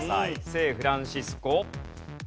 聖フランシスコ。